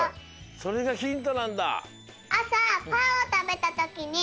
それがヒントなんだ。